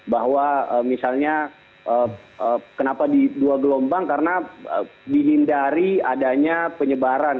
bahwa misalnya kenapa di dua gelombang karena dihindari adanya penyebaran